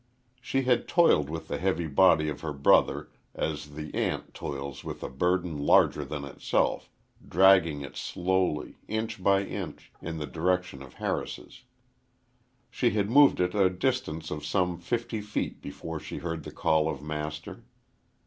She had toiled with the heavy body of her brother, as the ant toils with a burden larger than itself, dragging it slowly, inch by inch, in the direction of Harris's. She had moved it a distance of some fifty feet before she heard the call of Master.